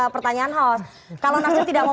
pertanyaan hoax kalau nasdem tidak mau